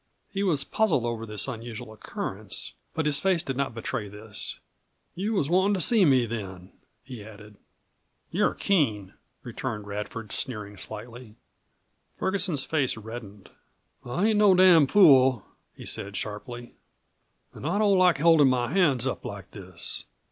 He was puzzled over this unusual occurrence, but his face did not betray this. "You was wantin' to see me then," he added. "You're keen," returned Radford, sneering slightly. Ferguson's face reddened. "I ain't no damn fool," he said sharply. "An' I don't like holdin' my hands up like this.